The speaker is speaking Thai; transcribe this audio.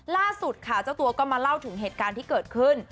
ล่าสุดค่ะเจ้าตัวก็มาเล่าถึงเหตุการณ์ที่เกิดขึ้น